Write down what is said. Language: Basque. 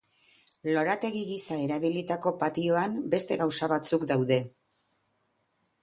Lorategi giza erabilitako patioan beste gauza batzuk daude.